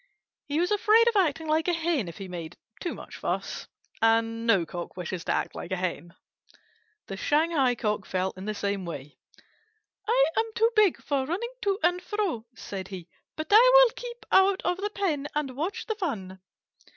He was afraid of acting like a Hen if he made too much fuss, and no Cock wishes to act like a Hen. The Shanghai Cock felt in the same way. "I am too big for running to and fro," said he, "but I will keep out of the pen and watch the fun."